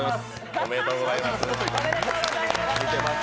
おめでとうございます。